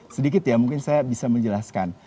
sedikit ya mungkin saya bisa menjelaskan